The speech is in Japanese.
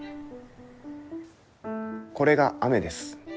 これが雨です。